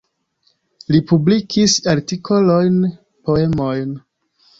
Li publikis artikolojn, poemojn.